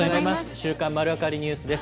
週刊まるわかりニュースです。